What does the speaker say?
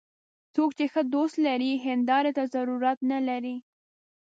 څوک چې ښه دوست لري، هنداري ته ضرورت نه لري